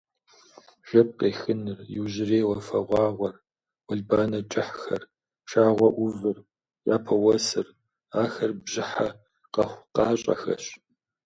Жэп къехыныр, иужьрей уафэгъуагъуэр, уэлбанэ кӏыхьхэр, пшагъуэ ӏувыр, япэ уэсыр – ахэр бжьыхьэ къэхъукъащӏэхэщ.